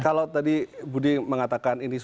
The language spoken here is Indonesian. kalau tadi budi mengatakan ini